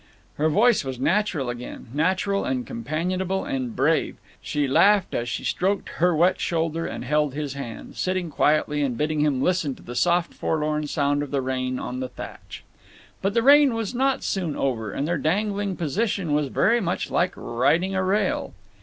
Her voice was natural again, natural and companionable and brave. She laughed as she stroked her wet shoulder and held his hand, sitting quietly and bidding him listen to the soft forlorn sound of the rain on the thatch. But the rain was not soon over, and their dangling position was very much like riding a rail.